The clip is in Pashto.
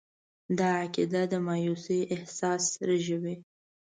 دا عقیده د مایوسي احساس رژوي.